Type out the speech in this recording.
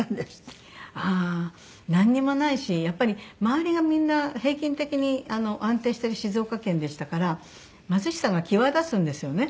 なんにもないしやっぱり周りがみんな平均的に安定してる静岡県でしたから貧しさが際立つんですよね。